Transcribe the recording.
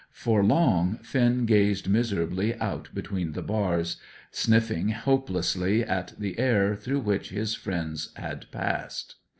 For long, Finn gazed miserably out between the bars, sniffing hopelessly at the air through which his friends had passed.